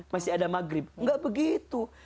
masih ada maghrib nggak begitu